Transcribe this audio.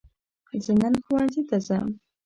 زه نن ښوونځي ته ځم